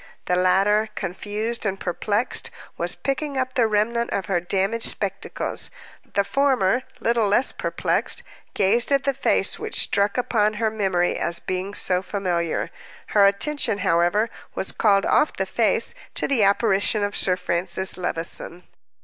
The latter, confused and perplexed, was picking up the remnant of her damaged spectacles; the former, little less perplexed, gazed at the face which struck upon her memory as being so familiar. Her attention, however, was called off the face to the apparition of Sir Francis Levison.